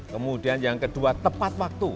kemudian yang kedua tepat waktu